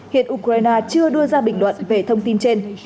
hiện ukraine chưa đưa ra bình luận về thông tin trên